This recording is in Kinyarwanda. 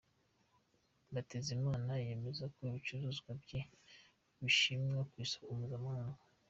Mbatezimana yemeza ko ibicuruzwa bye bishimwa ku isoko mpuzamahanga.